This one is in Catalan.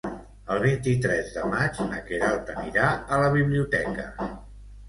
El vint-i-tres de maig na Queralt anirà a la biblioteca.